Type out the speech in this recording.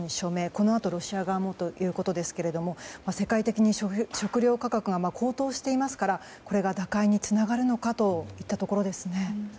このあとロシア側もということですが世界的に食料価格が高騰していますからこれが打開につながるのかといったところですね。